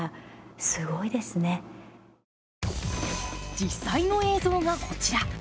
実際の映像がこちら。